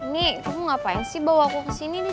nih kamu ngapain sih bawa aku kesini nih